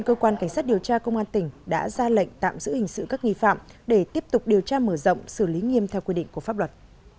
cơ quan công an tỉnh đã ra lệnh tạm giữ hình sự các nghi phạm để tiếp tục điều tra mở rộng xử lý nghiêm theo quy định của pháp luật